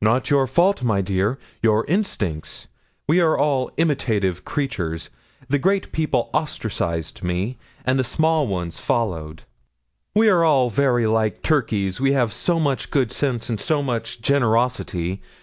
'"Not your fault, my dear your instinct. We are all imitative creatures: the great people ostracised me, and the small ones followed. We are very like turkeys, we have so much good sense and so much generosity.